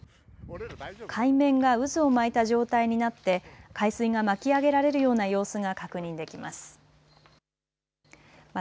海面が渦を巻いた状態になって海水が巻き上げられるような様子が確認できます。